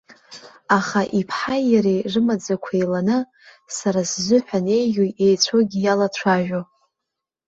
Аха иԥҳаи иареи рымаӡақәа еиланы, сара сзыҳәан еиӷьу еицәоугьы иалацәажәо.